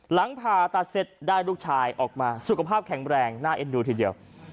หลังผ่าตัดเสร็จได้ลูกชายออกมาสุขภาพแข็งแรงน่าเอ็นดูทีเดียว